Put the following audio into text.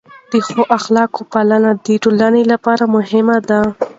د ښو اخلاقو پالنه د ټولنې لپاره مهمه ده.